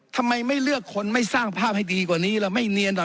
ทำไมไม่เลือกคนไม่สร้างภาพให้ดีกว่านี้ล่ะไม่เนียนล่ะ